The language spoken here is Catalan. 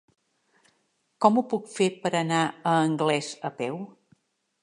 Com ho puc fer per anar a Anglès a peu?